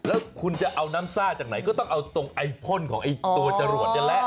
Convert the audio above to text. แล้วคุณจะเอาน้ำซ่าจากไหนก็ต้องเอาตรงไอพ่นของไอ้ตัวจรวดนี่แหละ